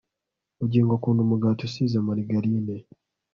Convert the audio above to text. bugingo akunda umugati usize marigarine